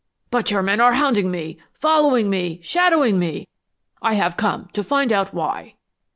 "But your men are hounding me, following me, shadowing me! I have come to find out why!"